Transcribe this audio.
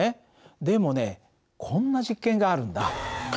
でもねこんな実験があるんだ。